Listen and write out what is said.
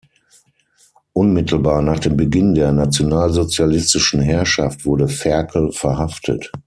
Unmittelbar nach dem Beginn der nationalsozialistischen Herrschaft wurde Ferkel verhaftet.